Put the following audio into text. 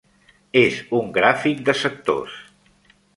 És un gràfic de sectors.